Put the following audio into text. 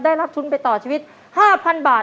ได้รับทุนไปต่อชีวิต๕๐๐๐บาท